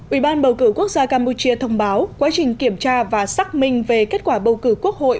ủy ban bầu cử quốc gia campuchia thông báo quá trình kiểm tra và xác minh về kết quả bầu cử quốc hội